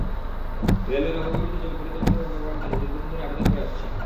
রেলওয়ের অব্যবহৃত জমি পরিকল্পিতভাবে ব্যবহারের জন্য দীর্ঘদিন ধরে আবেদন করে আসছি।